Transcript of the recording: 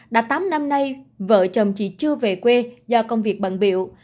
đã tám năm nay vợ chồng chị chưa về quê do công việc bận biểu